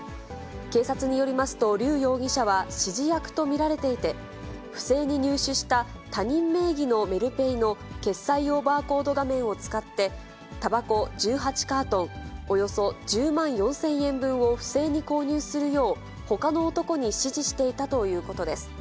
警察によりますと、劉容疑者は指示役と見られていて、不正に入手した他人名義のメルペイの決済用バーコード画面を使って、たばこ１８カートン、およそ１０万４０００円分を不正に購入するよう、ほかの男に指示していたということです。